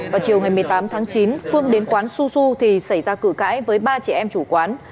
vào chiều ngày một mươi tám tháng chín phương đến quán su su thì xảy ra cử cãi với ba chị em chủ quán